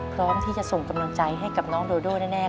พร้อมที่จะส่งกำลังใจให้กับน้องโดโดแน่